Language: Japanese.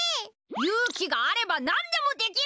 勇気があればなんでもできる！